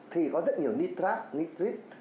thì có rất nhiều nitrate nitrite